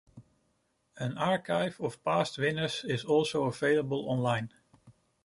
An archive of past winners is also available online.